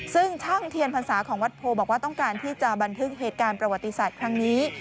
ซึ่งช่างเทียนพรรษาของวัดโพบอกว่าต้องการที่จะบันทึกเหตุการณ์ประวัติศาสตร์ครั้งนี้